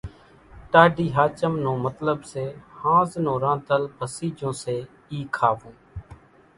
ٽاڍي ۿاچم نون مطلٻ سي ۿانز نون رانڌل ڀسي جھون سي اِي کاوون